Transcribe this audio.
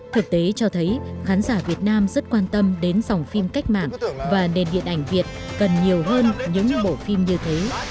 thực tế cho thấy khán giả việt nam rất quan tâm đến dòng phim cách mạng và nền điện ảnh việt cần nhiều hơn những bộ phim như thế